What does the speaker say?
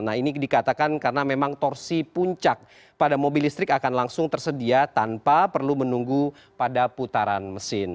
nah ini dikatakan karena memang torsi puncak pada mobil listrik akan langsung tersedia tanpa perlu menunggu pada putaran mesin